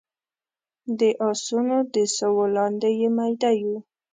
د اسونو د سوو لاندې يې ميده يو